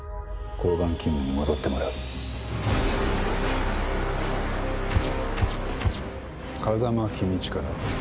「交番勤務に戻ってもらう」「風間公親だ」